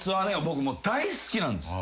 僕大好きなんです。